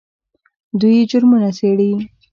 دوی جرمونه څیړي.